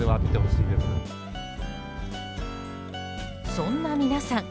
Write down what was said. そんな皆さん